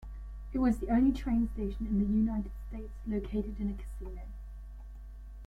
It was the only train station in the United States located in a casino.